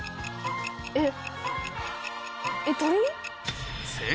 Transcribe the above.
えっ。